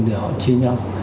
thì họ chia nhau